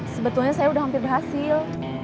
sebetulnya saya sudah hampir berhasil